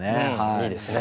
いいですね。